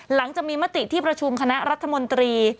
หลังจากมีมติที่ประชุมคณะรัฐมนตรี